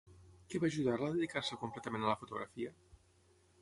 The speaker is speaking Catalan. Què va ajudar-la a dedicar-se completament a la fotografia?